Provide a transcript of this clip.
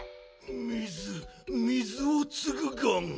水水をつぐガン。